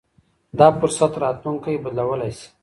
دا فرصت راتلونکی بدلولای شي.